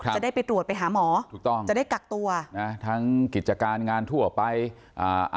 จะได้ไปตรวจไปหาหมอถูกต้องจะได้กักตัวนะทั้งกิจการงานทั่วไปอ่า